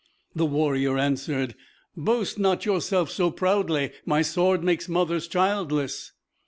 The warrior answered, "Boast not yourself so proudly. My sword makes mothers childless."